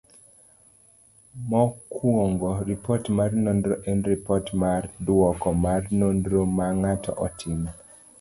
Mokuongo, ripot mar nonro en ripot mar duoko mar nonro ma ng'ato otimo.